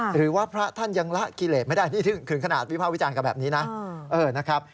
หรือว่าพระท่านยังละกิเลสไม่ได้นี่ถึงขนาดวิภาควิจารณ์กันแบบนี้นะนะครับ